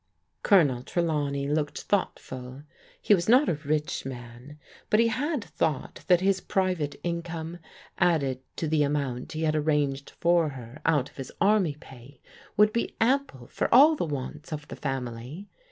Colonel Trelawney looked thoughtful. He was not a rich man, but he had thought that his private income, added to the amount he had arranged for her out of his army pay would be ample for all the wants of the family.